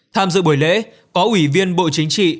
tham dự buổi lễ có ủy viên bộ chính trị